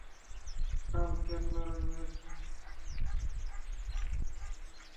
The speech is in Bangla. কাল ক্যানবেরার ম্যাচ শেষে মাশরাফি বিন মুর্তজার জন্য মঞ্চটা তাই সাজানোই ছিল।